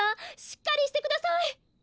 しっかりしてください！